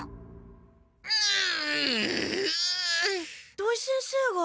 土井先生が。